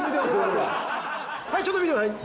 はいちょっと見てください！